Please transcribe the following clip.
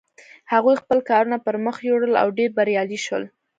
هغوی خپل کارونه پر مخ یوړل او ډېر بریالي شول.